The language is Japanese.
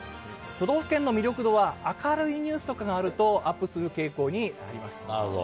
都道府県の魅力度は、明るいニュースとかがあると、アップする傾向にあります。